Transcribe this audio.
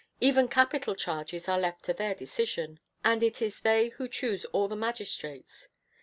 Even capital charges are left to their decision, and it is they who choose all the magistrates.